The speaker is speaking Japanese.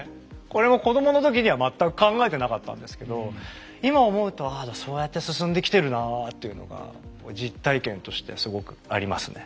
これも子供の時には全く考えてなかったんですけど今思うと「ああそうやって進んできてるなあ」っていうのがこう実体験としてすごくありますね。